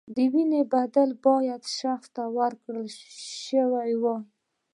د وینې بدله باید شخص ته ورکړل شوې وای.